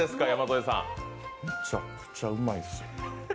めちゃくちゃうまいです。